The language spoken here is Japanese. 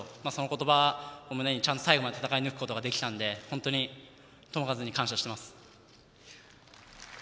その言葉を胸に最後まで戦い抜くことができたので本当に智和に感謝しています。